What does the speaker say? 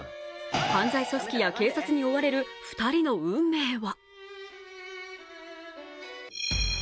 犯罪組織や警察に追われる２人の運命は？